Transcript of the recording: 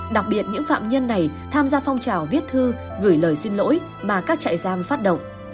đặc biệt những phạm nhân này tham gia phong trào viết thư gửi lời xin lỗi mà các trại giam phát động